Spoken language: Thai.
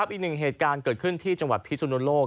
อีกหนึ่งเหตุการณ์เกิดขึ้นที่จังหวัดพิสุนโลก